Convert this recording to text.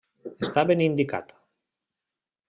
Està ben indicat.